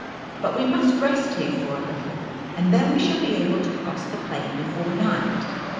"But we must rest here for a little, and then we shall be able to cross the plain before night."